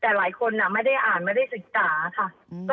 แต่หลายคนไม่ได้อ่านไม่ได้ศึกษาค่ะ